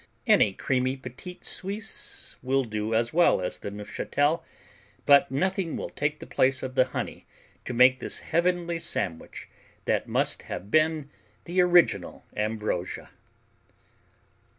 Any creamy Petit Suisse will do as well as the Neufchâtel, but nothing will take the place of the honey to make this heavenly sandwich that must have been the original ambrosia.